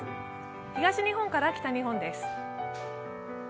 東日本から北日本です。